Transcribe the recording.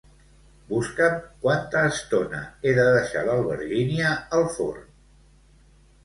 Busca'm quanta estona he de deixar l'albergínia al forn.